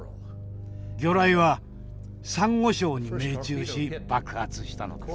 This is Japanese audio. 魚雷はさんご礁に命中し爆発したのです。